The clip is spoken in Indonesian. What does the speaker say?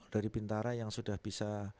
dari bintara yang sudah bisa